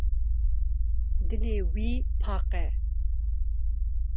Dilê wî pak e.